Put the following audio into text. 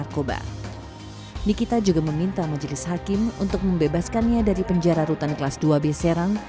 kita menjelis hakim untuk membebaskannya dari penjara rutan kelas dua b serang